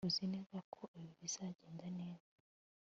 Uzi neza ko ibi bizagenda neza